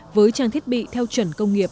với trang thiết bị theo chuẩn công nghiệp